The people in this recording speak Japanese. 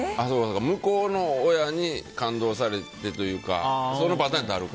向こうの親に勘当されてというかそのパターンやったらあるか。